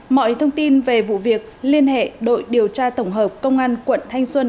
mọi thông tin về vụ việc liên hệ đội điều tra tổng hợp công an quận thanh xuân